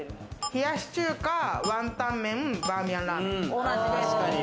冷やし中華、ワンタン麺、バーミヤンラーメン。